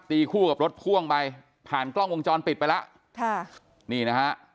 ตีคู่รถภ่วงไปผ่านกล้องวงจรปิดไปแล้ว